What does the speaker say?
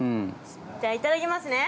◆じゃあ、いただきますね。